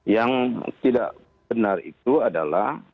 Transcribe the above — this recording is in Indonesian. yang tidak benar itu adalah